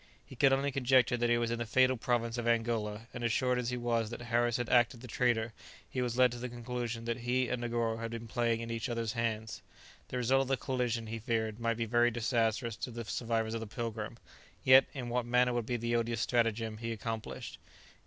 He could only conjecture that he was in the fatal province of Angola, and assured as he was that Harris had acted the traitor, he was led to the conclusion that he and Negoro had been playing into each other's hands. The result of the collision, he feared, might be very disastrous to the survivors of the "Pilgrim." Yet, in what manner would the odious stratagem be accomplished?